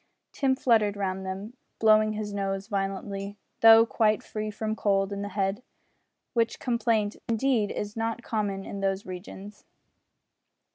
Tim fluttered round them, blowing his nose violently though quite free from cold in the head which complaint, indeed, is not common in those regions.